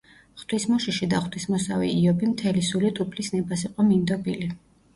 ღვთისმოშიში და ღვთისმოსავი იობი მთელი სულით უფლის ნებას იყო მინდობილი.